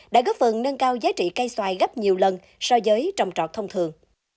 đã góp phần nâng cao giá trị cây xoài gấp nhiều lần so với trồng trọt thông thường